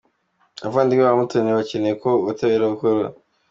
Abavandimwe ba Umutoni bakeneye ko ubutabera bukora.